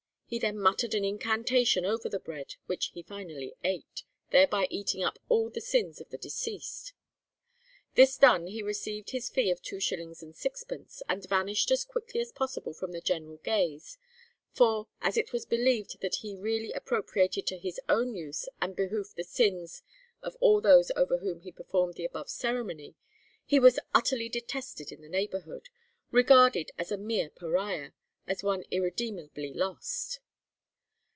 He then muttered an incantation over the bread, which he finally ate, thereby eating up all the sins of the deceased. This done he received his fee of 2_s._ 6_d._ and vanished as quickly as possible from the general gaze; for, as it was believed that he really appropriated to his own use and behoof the sins of all those over whom he performed the above ceremony, he was utterly detested in the neighbourhood regarded as a mere Pariah as one irredeemably lost.'